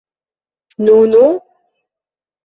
Nu, nu?